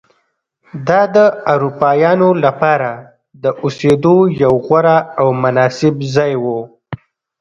دا د اروپایانو لپاره د اوسېدو یو غوره او مناسب ځای و.